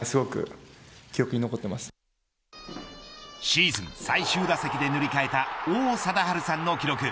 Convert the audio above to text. シーズン最終打席で塗り替えた王貞治さんの記録。